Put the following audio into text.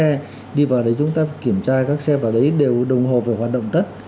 khi vào đấy chúng ta kiểm tra các xe vào đấy đều đồng hồ phải hoạt động tắt